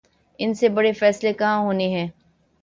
ان سے بڑے فیصلے کہاں ہونے ہیں۔